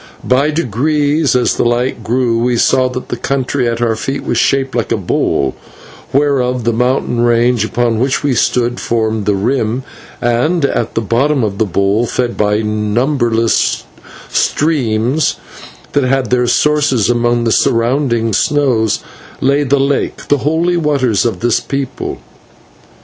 By degrees, as the light grew, we saw that the country at our feet was shaped like a bowl, whereof the mountain range upon which we stood formed the rim, and at the bottom of the bowl, fed by numberless streams that had their sources among the surrounding snows, lay the lake, the Holy Waters of this people.